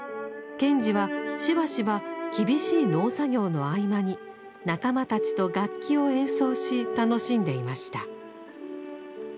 賢治はしばしば厳しい農作業の合間に仲間たちと楽器を演奏し楽しんでいました。